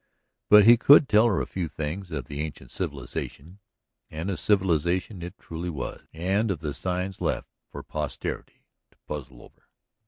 But he could tell her a few things of the ancient civilization ... and a civilization it truly was ... and of the signs left for posterity to puzzle over.